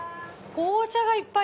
紅茶がいっぱい！